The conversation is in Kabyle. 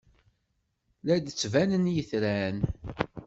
La d-ttbanen yitran.